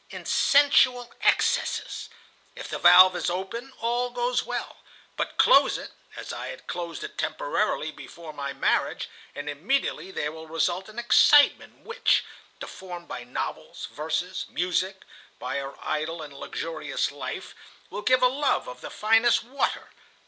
In sensual excesses. If the valve is open, all goes well; but close it, as I had closed it temporarily before my marriage, and immediately there will result an excitement which, deformed by novels, verses, music, by our idle and luxurious life, will give a love of the finest water.